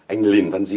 anh lìn văn di